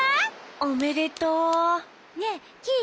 おめでとう！ねえキイ